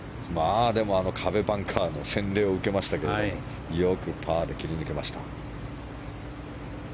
壁バンカーの洗礼を受けましたけどよくパーで切り抜けました。